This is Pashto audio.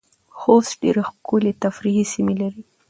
خوست ډیرې ښکلې تفریحې سیمې لرې